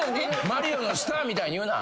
『マリオ』のスターみたいに言うな。